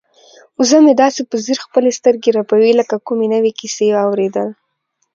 وزه مې داسې په ځیر خپلې سترګې رپوي لکه د کومې نوې کیسې اوریدل.